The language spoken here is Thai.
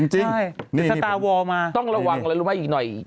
จริงนี่มีสตาร์ทวอร์มาต้องระวังแล้วรู้ไหมอีกหน่อย